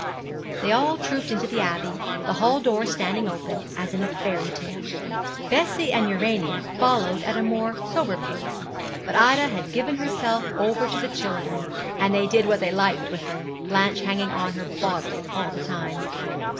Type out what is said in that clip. They all trooped into the Abbey, the hall door standing open, as in a fairy tale. Bessie and Urania followed at a more sober pace; but Ida had given herself over to the children, and they did what they liked with her, Blanche hanging on her bodily all the time.